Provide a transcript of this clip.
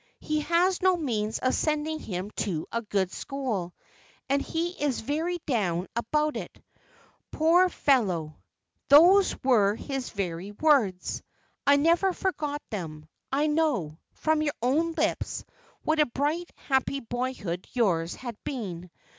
He has no means of sending him to a good school, and he is very down about it, poor fellow!' Those were his very words. I never forgot them. I know, from your own lips, what a bright happy boyhood yours had been.